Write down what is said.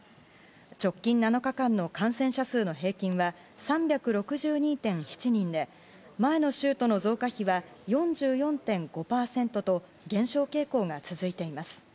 直近７日間の感染者数の平均は３６２．７人で前の週との増加比は４４．５％と減少傾向が続いています。